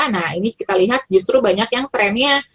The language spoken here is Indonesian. nah ini kita lihat justru banyak yang trennya